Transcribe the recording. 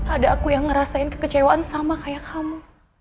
ada aku yang ngerasain kekecewaan sama kayak kamu